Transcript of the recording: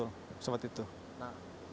nah sekarang kita tahu itu ya